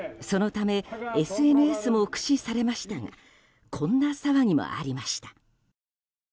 そのためＳＮＳも駆使されましたがこんな騒ぎもありました。